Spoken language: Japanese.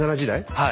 はい。